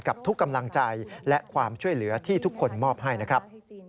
กับทุกกำลังใจและความช่วยเหลือที่ทุกคนมอบให้นะครับ